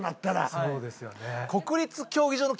そうですよね。